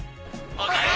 おかえり。